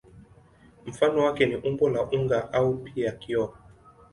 Mfano wake ni umbo la unga au pia kioo.